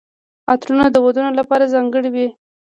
عطرونه د ودونو لپاره ځانګړي وي.